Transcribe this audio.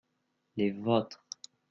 les vôtres.